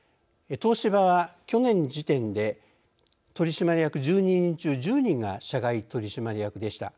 東芝は去年時点で取締役１２人中１０人が社外取締役でした。